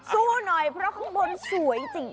สู้หน่อยเพราะข้างบนสวยจริง